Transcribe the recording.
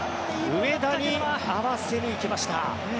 上田に合わせてきました。